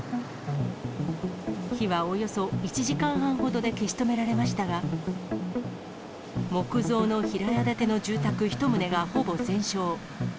火はおよそ１時間半ほどで消し止められましたが、木造の平屋建ての住宅１棟がほぼ全焼。